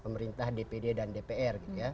pemerintah dpd dan dpr